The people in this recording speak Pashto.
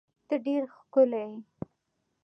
ته ډیر ښکلی یی